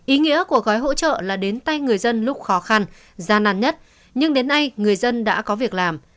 ý nghĩa của gói hỗ trợ là đến tay người dân lúc khó khăn gian nan nhất nhưng đến nay người dân đã có việc làm